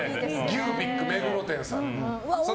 ギュービック目黒店さん。